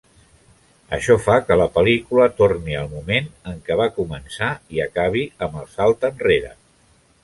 Això fa que la pel·lícula torni al moment en què va començar i acabi amb el salt enrere.